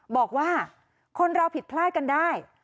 บอกว่าคนเราผิดพลาดกันได้